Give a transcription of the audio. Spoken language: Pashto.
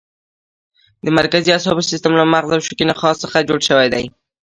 د مرکزي اعصابو سیستم له مغز او شوکي نخاع څخه جوړ شوی دی.